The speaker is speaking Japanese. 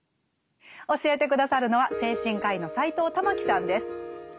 教えて下さるのは精神科医の斎藤環さんです。